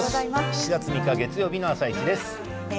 ７月３日のあさイチです。